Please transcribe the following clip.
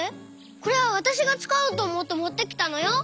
これはわたしがつかおうとおもってもってきたのよ！